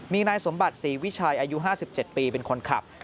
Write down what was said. มีนายสมบัติศรีวิชัยอายุ๕๗ปีเป็นคนขับ